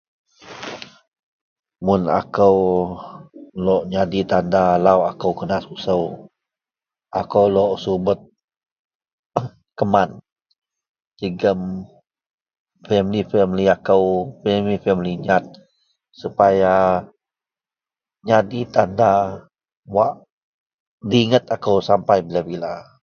Mun akou lok jadi tanda lau akou kenasusou akou lok subet uhh keman jegem famili-famili akou, famili-famili nyat supaya jadi tanda diinget akou sapai bila-bila.